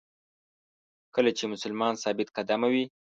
کله چې مسلمان ثابت قدمه وي.